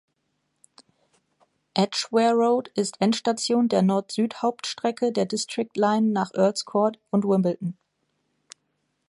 Edgware Road ist Endstation der Nord-Süd-Hauptstrecke der District Line nach Earl’s Court und Wimbledon.